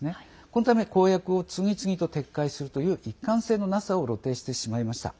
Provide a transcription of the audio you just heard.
このため、公約を次々と撤回するという一貫性のなさを露呈してしまいました。